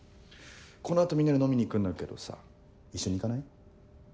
この後みんなで飲みに行くんだけどさ一緒に行かない？